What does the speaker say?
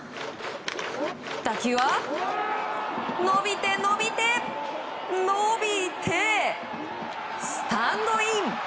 打球は伸びて、伸びて伸びてスタンドイン！